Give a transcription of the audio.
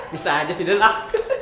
bisa aja sih den lah